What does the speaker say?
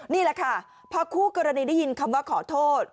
นี่แหละค่ะพอคู่กรณีได้ยินคำว่าขอโทษ